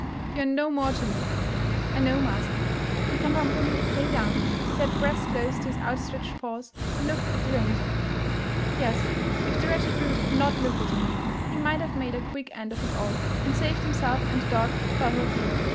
You are no more to me." 1 ' I know, master, '' and Krambambuli lay down, his head pressed close to his outstretched paws, and looked at the ranger. Yes — if the wretched brute had not looked at him ! He might have made a quick end of it all, and saved himself and the dog further pain.